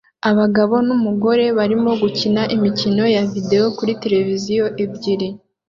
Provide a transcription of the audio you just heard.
abagabo numugore barimo gukina imikino ya videwo kuri tereviziyo ebyiri